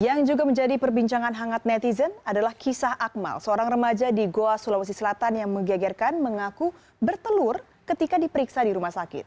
yang juga menjadi perbincangan hangat netizen adalah kisah akmal seorang remaja di goa sulawesi selatan yang menggegerkan mengaku bertelur ketika diperiksa di rumah sakit